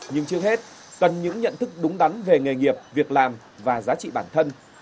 nhưng trước hết cần những nhận thức đúng đắn về nghề nghiệp việc làm và giá trị bản thân